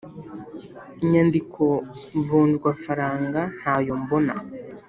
inyandiko mvunjwafaranga ntayombona.